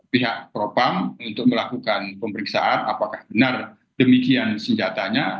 pihak propam untuk melakukan pemeriksaan apakah benar demikian senjatanya